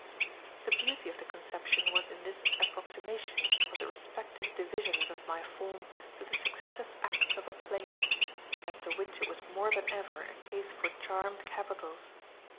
The beauty of the conception was in this approximation of the respective divisions of my form to the successive Acts of a Play as to which it was more than ever a case for charmed capitals.